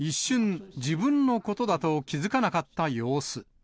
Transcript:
一瞬、自分のことだと気付かなかった様子。